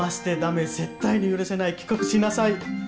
絶対に許さない帰国しなさい。